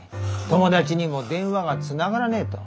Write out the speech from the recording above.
友達にも電話がつながらねえと。